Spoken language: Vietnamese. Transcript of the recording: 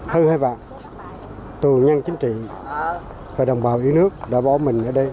thưa các bạn tù nhân chính trị và đồng bào ưu nước đã bổ mừng ở đây